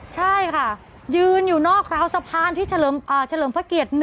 ใช่ค่ะยืนอยู่นอกราวสะพานที่เฉลิมพระเกียรติ๑